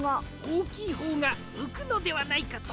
おおきいほうがうくのではないかと。